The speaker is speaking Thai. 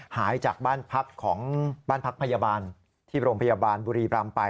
หายจากบ้านพักพยาบาลที่โรงพยาบาลบุรีรำไป